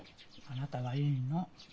あなたはいいの。